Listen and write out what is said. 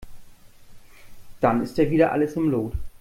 Dann ist ja wieder alles im Lot.